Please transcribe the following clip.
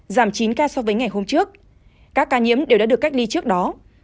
giảm chín ca so với ngày hôm trước các ca nhiễm đều đã được cách ly trước đó